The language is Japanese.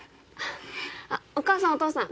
お母さんお父さん